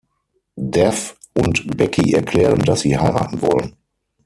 Dev und Becky erklären, dass sie heiraten wollen.